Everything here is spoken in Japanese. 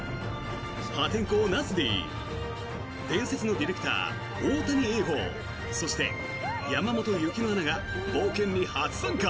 破天荒、ナスＤ伝説のディレクター、大谷映芳そして山本雪乃アナが冒険に初参加！